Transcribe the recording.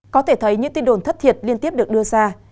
có thể thấy những tin đồn thất thiệt liên tiếp được đưa ra